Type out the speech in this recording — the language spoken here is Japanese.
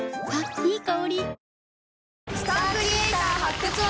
いい香り。